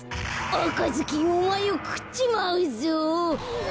「あかずきんおまえをくっちまうぞ」。